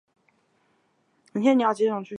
主任潘汉年。